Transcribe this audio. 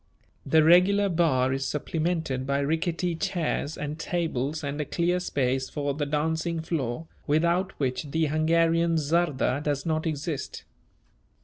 The regular bar is supplemented by rickety chairs and tables and a clear space for the dancing floor, without which the Hungarian czarda does not exist.